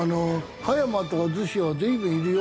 葉山とか子は随分いるよ。